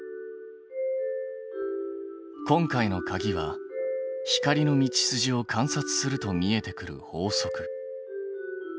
今回のかぎは光の道筋を観察すると見えてくる法則。